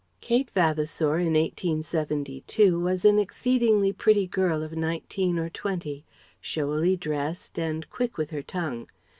] Kate Vavasour in 1872 was an exceedingly pretty girl of nineteen or twenty; showily dressed, and quick with her tongue.